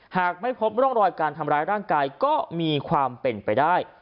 หากไม่พบร่องรอยการทำร้ายร่างกายก็มีความเป็นไปได้